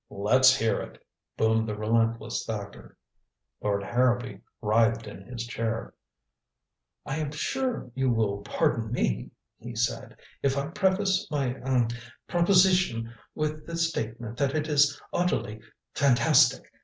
"Let's hear it," boomed the relentless Thacker. Lord Harrowby writhed in his chair. "I am sure you will pardon me," he said, "if I preface my er proposition with the statement that it is utterly fantastic.